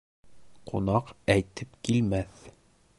Ҡунаҡ әйтеп килмәҫ